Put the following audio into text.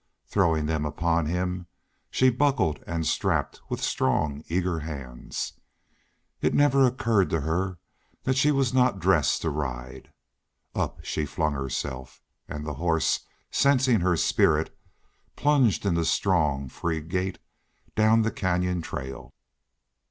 Throwing them upon him, she buckled and strapped with strong, eager hands. It never occurred to her that she was not dressed to ride. Up she flung herself. And the horse, sensing her spirit, plunged into strong, free gait down the canyon trail.